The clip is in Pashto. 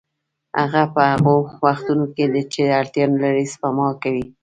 هغه په هغو وختونو کې چې اړتیا نلري سپما کوي